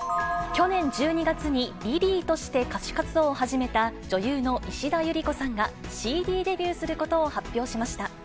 去年１２月にリリーとして歌手活動を始めた女優の石田ゆり子さんが、ＣＤデビューすることを発表しました。